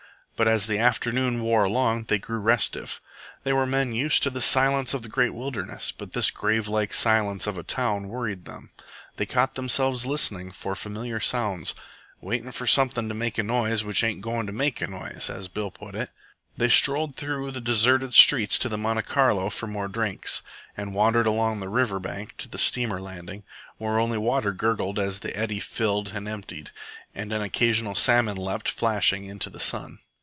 But as the afternoon wore along they grew restive. They were men used to the silence of the great wilderness, but this gravelike silence of a town worried them. They caught themselves listening for familiar sounds "waitin' for something to make a noise which ain't goin' to make a noise," as Bill put it. They strolled through the deserted streets to the Monte Carlo for more drinks, and wandered along the river bank to the steamer landing, where only water gurgled as the eddy filled and emptied, and an occasional salmon leapt flashing into the sun.